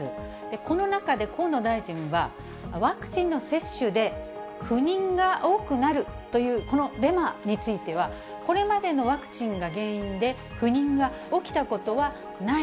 この中で河野大臣は、ワクチンの接種で不妊が多くなるというこのデマについては、これまでのワクチンが原因で不妊は起きたことはない。